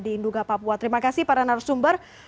di induga papua terima kasih para narasumber